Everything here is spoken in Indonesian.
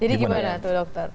jadi gimana tuh dokter